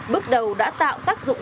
bước đầu đã tạo tác dụng